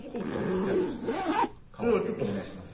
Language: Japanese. じゃあちょっとかごにお願いします。